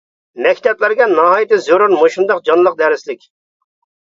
مەكتەپلەرگە ناھايىتى زۆرۈر مۇشۇنداق جانلىق دەرسلىك.